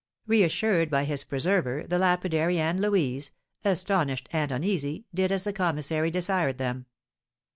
Reassured by his preserver, the lapidary and Louise, astonished and uneasy, did as the commissary desired them.